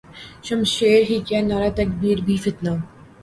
شمشیر ہی کیا نعرہ تکبیر بھی فتنہ